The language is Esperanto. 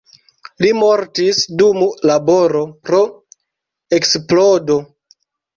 Li mortis dum laboro pro eksplodo.